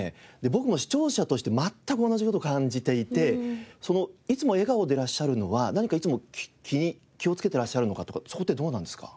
僕も視聴者として全く同じ事感じていていつも笑顔でいらっしゃるのは何かいつも気をつけてらっしゃるのかとかそこってどうなんですか？